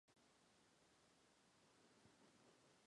现在在半山竖立了一座巨大的戚继光雕像。